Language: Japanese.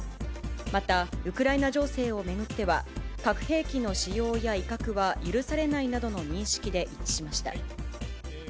また、ウクライナ情勢を巡っては、核兵器の使用や威嚇は許されないなどの認識で一致しました。